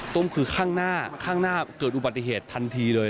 ตุ้มคือข้างหน้าเกิดอุบัติเหตุทันทีเลย